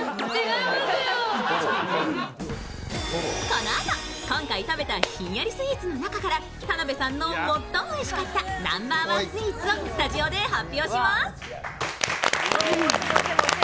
このあと、今回食べたひんやりスイーツの中から、田辺さんの最もおいしかったナンバーワンスイーツをスタジオで発表します。